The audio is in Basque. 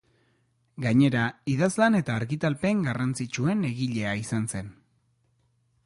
Gainera, idazlan eta argitalpen garrantzitsuen egilea izan zen.